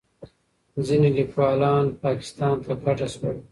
ځینې لیکوالان پاکستان ته کډه شول.